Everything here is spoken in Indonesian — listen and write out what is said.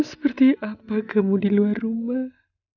seperti apa kamu di luar rumah